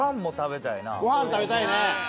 ご飯食べたいね。